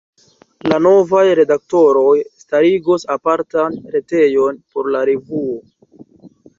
La novaj redaktoroj starigos apartan retejon por la revuo.